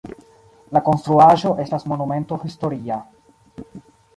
La konstruaĵo estas monumento historia.